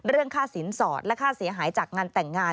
เรื่องค่าสินสอดและค่าเสียหายจากงานแต่งงาน